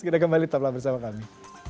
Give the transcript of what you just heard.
kita kembali tetaplah bersama kami